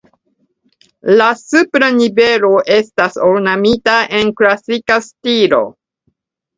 La supra nivelo estas ornamita en klasika stilo.